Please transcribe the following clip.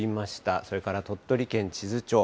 それから鳥取県智頭町。